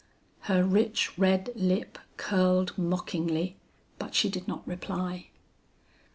"Her rich red lip curled mockingly, but she did not reply.